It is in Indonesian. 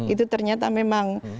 itu ternyata memang